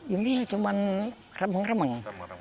ini cuma remeng remeng